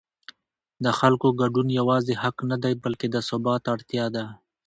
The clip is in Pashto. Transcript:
د خلکو ګډون یوازې حق نه دی بلکې د ثبات اړتیا ده